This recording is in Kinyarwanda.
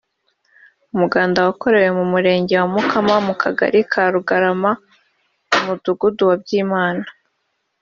umuganda wakorewe mu Murenge wa Mukama mu Kagari ka Rugarama mu Mudugudu wa Byimana